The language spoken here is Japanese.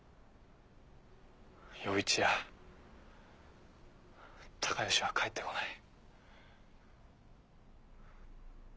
陽一や孝良は帰ってこない。